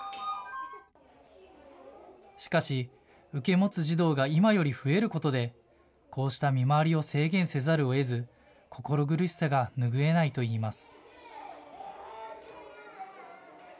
しかし受け持つ児童が今より増えることで、こうした見回りを制限せざるをえず心苦しさが拭えないといいます。